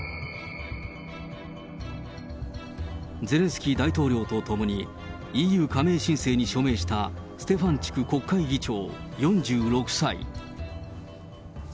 ゼレンスキー大統領と共に、ＥＵ加盟申請に署名した、ステファンチュク国会議長４６歳。